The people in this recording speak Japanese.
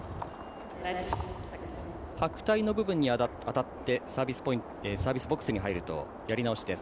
白帯の部分に当たってサービスボックスに入るとやり直しです。